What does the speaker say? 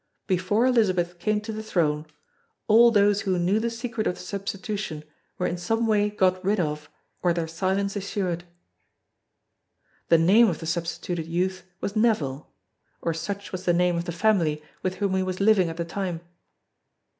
Before Elizabeth came to the throne all those who knew the secret of the substitution were in some way got rid of or their silence assured. The name of the substituted youth was Neville; or such was the name of the family with whom he was living at the time.